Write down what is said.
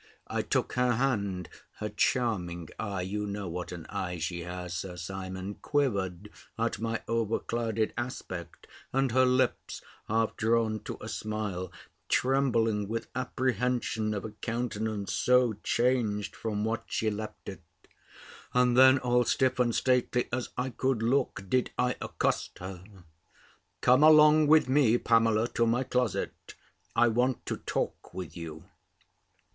I took her hand; her charming eye (you know what an eye she has, Sir Simon) quivered at my overclouded aspect; and her lips, half drawn to a smile, trembling with apprehension of a countenance so changed from what she left it. And then, all stiff and stately as I could look, did I accost her "Come along with me, Pamela, to my closet. I want to talk with you."